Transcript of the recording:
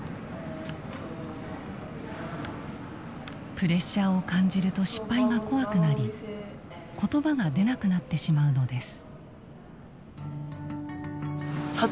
プレッシャーを感じると失敗が怖くなり言葉が出なくなってしまうのです。